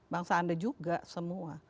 bangsa anda juga semua